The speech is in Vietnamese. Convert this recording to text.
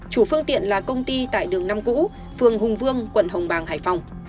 chủ phương tiện là công ty tại đường năm cũ phường hùng vương quận hồng bàng hải phòng